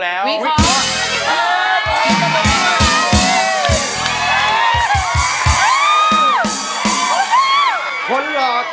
แล้วมันต่อ